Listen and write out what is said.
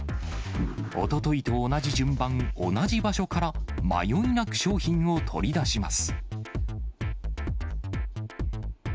おとといと同じ順番、同じ場所から、迷いなく商品を取り出します。